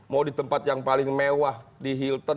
mau di tempat yang paling mewah di hilton